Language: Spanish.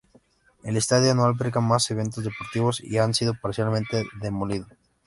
El estadio no alberga más eventos deportivos, y ha sido parcialmente demolido.